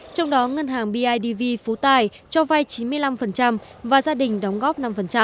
trong đó ngân hàng bidv phú tài cho vay chín mươi năm và gia đình đóng góp năm